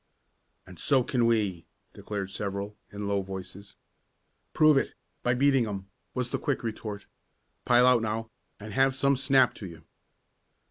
"And so can we!" declared several, in low voices. "Prove it by beating 'em!" was the quick retort. "Pile out now, and have some snap to you!"